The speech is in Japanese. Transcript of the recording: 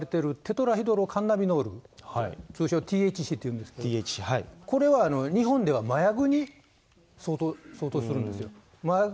もともとその大麻に含まれてるテトラヒドロカンナビロール、通称ＴＨＣというんですけど、これは日本では麻薬に相当するんですよ。